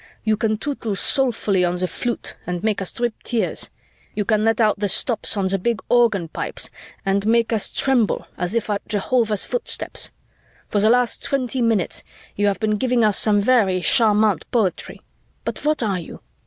"You can tootle soulfully on the flute and make us drip tears. You can let out the stops on the big organ pipes and make us tremble as if at Jehovah's footsteps. For the last twenty minutes, you have been giving us some very charmante poetry. But what are you?